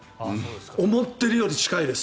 思ってるより近いです。